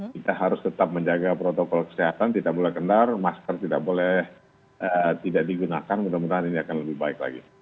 kita harus tetap menjaga protokol kesehatan tidak boleh kendar masker tidak boleh tidak digunakan mudah mudahan ini akan lebih baik lagi